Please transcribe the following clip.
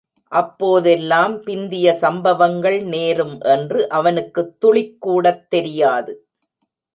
அப்போதெல்லாம் பிந்திய சம்பவங்கள் நேரும் என்று அவனுக்குத் துளிக்கூடத் தெரியாது.